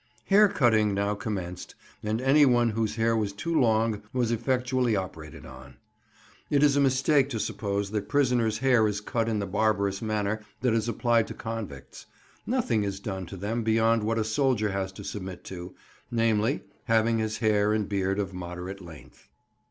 Hair cutting now commenced, and anyone whose hair was too long was effectually operated on. It is a mistake to suppose that prisoners' hair is cut in the barbarous manner that is applied to convicts; nothing is done to them beyond what a soldier has to submit to—namely, having his hair and beard of moderate length.